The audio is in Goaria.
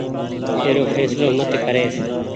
اي رو ڦيسلو مت ڪريس۔